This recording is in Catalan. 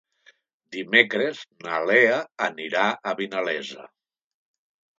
Dimecres na Lea anirà a Vinalesa.